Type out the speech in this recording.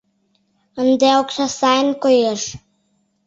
Ынде окса сайын коеш.